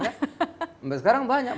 sampai sekarang banyak